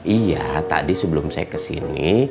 iya tadi sebelum saya kesini